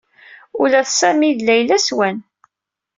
Ula d Sami d Layla swan.